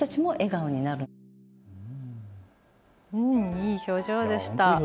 いい表情でした。